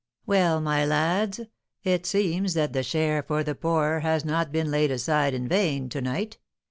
"Well, my lads, it seems that the 'share for the poor' has not been laid aside in vain to night.